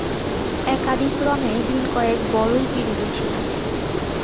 একাদিক্রমে দিনকয়েক বড়ই পীড়িত ছিলাম।